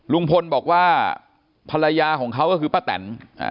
ลุงพลบอกว่าภรรยาของเขาก็คือป้าแตน